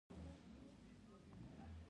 د خوږو یادونو خوند زړونو ته تسل ورکوي.